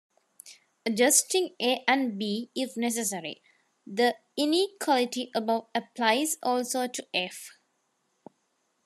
Adjusting "A" and "B" if necessary, the inequality above applies also to "F".